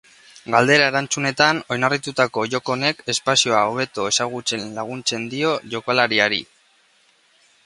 Galdera-erantzunetan oinarritutako joko honek espazioa hobeto ezagutzen laguntzen dio jokalariari.